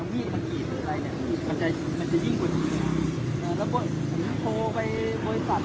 ตอนนี้กำหนังไปคุยของผู้สาวว่ามีคนละตบ